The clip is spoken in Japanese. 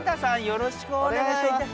よろしくお願いします。